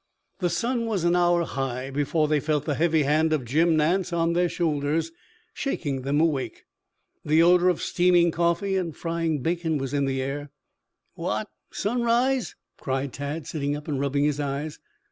The sun was an hour high before they felt the heavy hand of Jim Nance on their shoulders shaking them awake. The odor of steaming coffee and frying bacon was in the air. "What sunrise?" cried Tad, sitting up and rubbing his eyes.